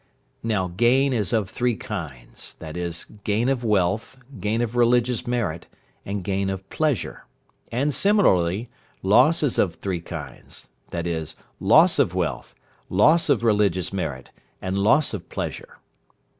Now gain is of three kinds, viz.: gain of wealth, gain of religious merit, and gain of pleasure; and similarly, loss is of three kinds, viz.: loss of wealth, loss of religious merit, and loss of pleasure.